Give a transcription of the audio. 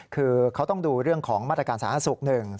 คือเขาต้องดูเรื่องของมาตรการสาหรัฐสุข๑